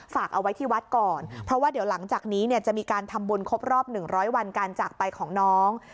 ฝากเอาไว้ที่วัดก่อนเพราะว่าเดี๋ยวหลังจากนี้เนี่ยจะมีการทำบุญครบรอบ๑๐๐วันการจากไปของน้อง